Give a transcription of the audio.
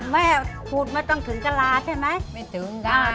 แม่ขนมโคล่ใช้ใต้อะไรอ่ะ